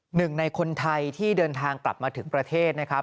หนึ่งในคนไทยที่เดินทางกลับมาถึงประเทศนะครับ